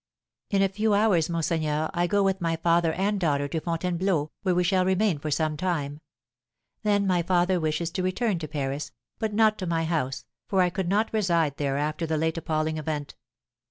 In a few hours, monseigneur, I go with my father and daughter to Fontainebleau, where we shall remain for some time; then my father wishes to return to Paris, but not to my house, for I could not reside there after the late appalling event.